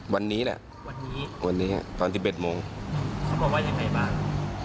วันนี้แหละวันนี้วันนี้ตอนสิบเอ็ดโมงเขาบอกว่ายังไงบ้าง